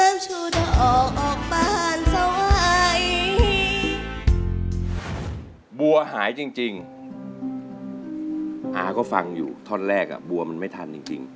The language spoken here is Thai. น้ำชูเด่าออกออกบ้านสวาย